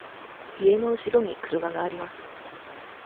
家のうしろに車があります。